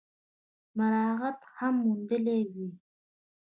مراعات هم موندلي وي ۔